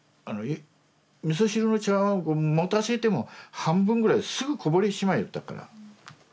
みそ汁の茶わんを持たせても半分ぐらいすぐこぼれてしまいよったから。